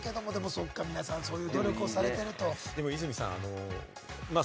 そうか、皆さんはそういう努力をされてる。